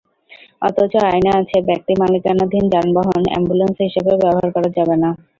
অথচ আইনে আছে ব্যক্তিমালিকানাধীন যানবাহন অ্যাম্বুলেন্স হিসেবে ব্যবহার করা যাবে না।